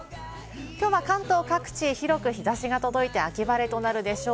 きょうは関東各地、広く日差しが届いて、秋晴れとなるでしょう。